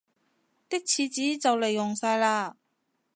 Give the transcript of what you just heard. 啲廁紙就黎用晒喇